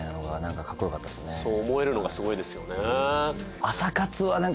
そう思えるのがすごいですよね。